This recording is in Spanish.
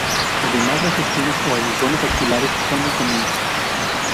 Además las espinas o aguijones axilares son muy comunes.